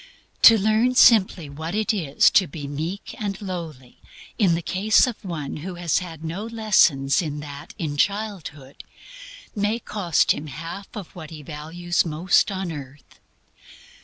To learn simply what it is to be meek and lowly, in the case of one who has had no lessons in that in childhood, may cost him half of what he values most on earth.